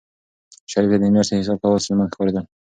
شریف ته د میاشتې حساب کول ستونزمن ښکارېدل.